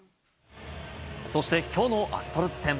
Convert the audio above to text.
そしてきょうのアストロズ戦。